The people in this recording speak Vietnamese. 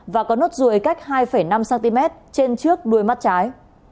và có nốt ruồi cách hai năm cm trên trước đuôi mắt trái